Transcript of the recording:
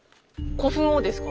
古墳をですか？